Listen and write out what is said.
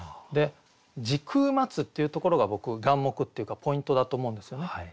「時空待つ」っていうところが僕眼目っていうかポイントだと思うんですよね。